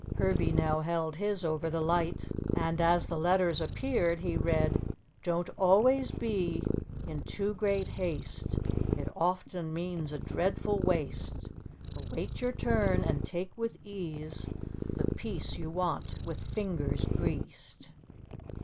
Herbie now held his over the light, and as the letters appeared, he read: "Don't always be in too great haste, It often means a dreadful waste; Await your turn and take with ease, The piece you want with fingers greased."